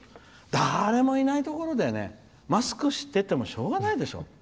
誰もいないところでマスクしててもしょうがないでしょ。